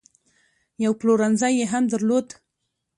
یو پلورنځی یې هم درلود.